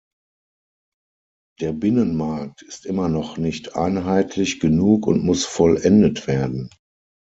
Der Binnenmarkt ist immer noch nicht einheitlich genug und muss vollendet werden.